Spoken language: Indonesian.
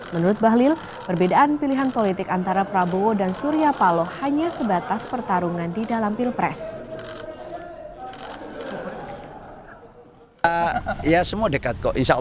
menurut bahlil perbedaan pilihan politik antara prabowo dan surya paloh hanya sebatas pertarungan di dalam pilpres